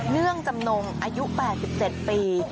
เนื่องจำนงอายุ๘๗ปี